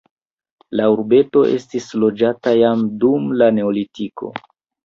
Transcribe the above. La urbeto estis loĝata jam dum la neolitiko.